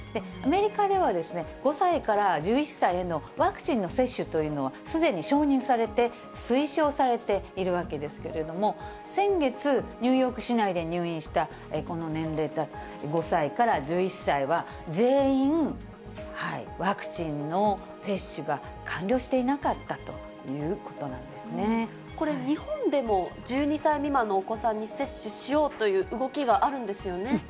アメリカでは５歳から１１歳へのワクチンの接種というのは、すでに承認されて、推奨されているわけですけれども、先月ニューヨーク市内で入院したこの年齢、５歳から１１歳は全員ワクチンの接種が完了していなかったというこれ、日本でも、１２歳未満のお子さんに接種しようという動きがあるんですよね。